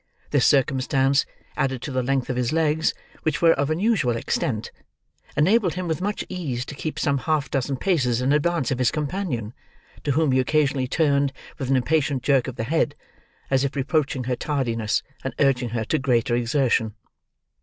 This circumstance, added to the length of his legs, which were of unusual extent, enabled him with much ease to keep some half dozen paces in advance of his companion, to whom he occasionally turned with an impatient jerk of the head: as if reproaching her tardiness, and urging her to greater exertion.